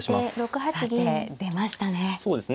さて出ましたね。